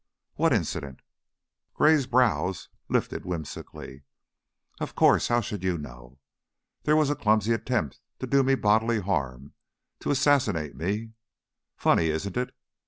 "What incident?" Gray's brows lifted whimsically. "Of course. How should you know? There was a clumsy attempt to do me bodily harm, to assassinate me. Funny, isn't it?